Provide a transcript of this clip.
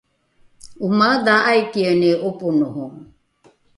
omaedha aikieni ’oponoho?